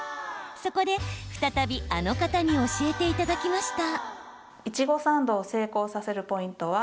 そこで、再びあの方に教えていただきました。